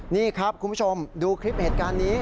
นี่ครับคุณผู้ชมดูคลิปเหตุการณ์นี้